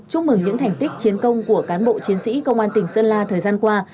chúc mừng những thành tích chiến công của cán bộ chiến sĩ công an tỉnh sơn la thời gian qua